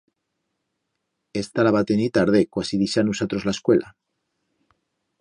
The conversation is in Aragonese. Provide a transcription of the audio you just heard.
Esta la va tenir tarde, cuasi dixar nusatros la escuela.